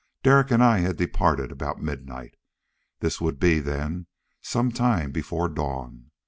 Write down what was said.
Derek and I had departed about midnight. This would be, then some time before dawn.